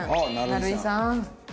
成井さん。